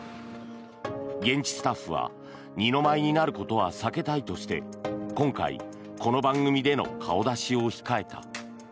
現地スタッフは二の舞いになることは避けたいとして今回この番組での顔出しを控えた。